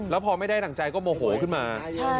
แล้วพอไม่ได้ดั่งใจก็โมโหขึ้นมา